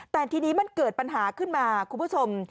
แต่ทีนี้มันเกิดปัญหาขึ้นมาคุณผู้ชม